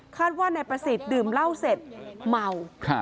ว่านายประสิทธิ์ดื่มเหล้าเสร็จเมา